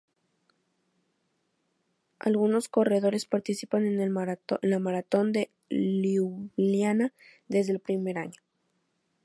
Algunos corredores participan en la Maratón de Liubliana desde el primer año.